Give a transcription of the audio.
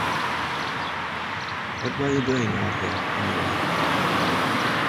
What were you doing out here, anyway?